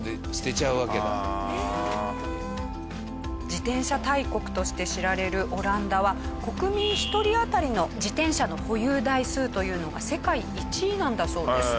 自転車大国として知られるオランダは国民１人あたりの自転車の保有台数というのが世界１位なんだそうです。